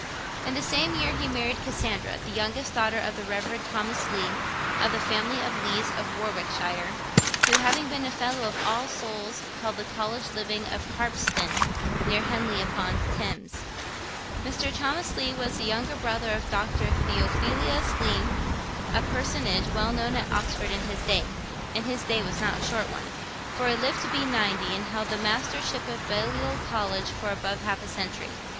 In the same year he married Cassandra, youngest daughter of the Rev. Thomas Leigh, of the family of Leighs of Warwickshire, who, having been a fellow of All Souls, held the College living of Harpsden, near Henley upon Thames. Mr. Thomas Leigh was a younger brother of Dr. Theophilus Leigh, a personage well known at Oxford in his day, and his day was not a short one, for he lived to be ninety, and held the Mastership of Balliol College for above half a century.